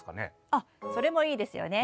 あっそれもいいですよね。